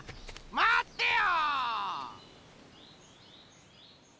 まってよ！